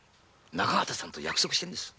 中畑さんと約束してるんです。